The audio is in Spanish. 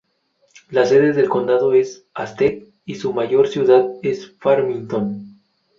La sede del condado es Aztec, y su mayor ciudad es Farmington.